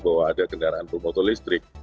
bahwa ada kendaraan bermotor listrik